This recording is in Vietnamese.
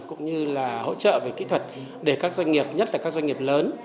cũng như là hỗ trợ về kỹ thuật để các doanh nghiệp nhất là các doanh nghiệp lớn